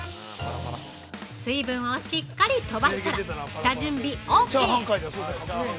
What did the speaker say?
◆水分をしっかり飛ばしたら下準備オーケー！